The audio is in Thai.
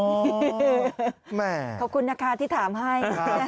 ขอบคุณนะคะที่ถามให้